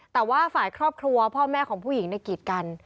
แต่ว่าฝ่ายครอบครัวพ่อแม่ของผู้หญิงในกีดกัน